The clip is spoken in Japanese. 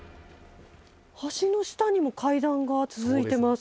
橋の下にも階段が続いてます。